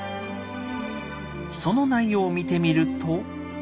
その内容を見てみると。